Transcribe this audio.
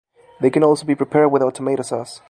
They can also be prepared without tomato sauce.